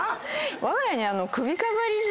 わが家に。